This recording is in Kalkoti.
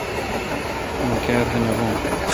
مہ کاتھ نہ بھوں